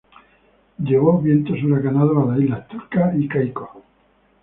Llevó vientos huracanados a las Islas Turcas y Caicos.